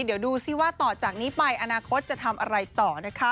เดี๋ยวดูซิว่าต่อจากนี้ไปอนาคตจะทำอะไรต่อนะคะ